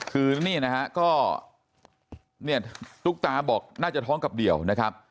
คือนี่นะฮะก็เนี่ยตุ๊กตาบอกน่าจะท้องกับเดี่ยวนะครับ